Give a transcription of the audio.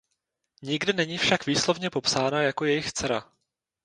Nikde není však výslovně popsána jako jejich dcera.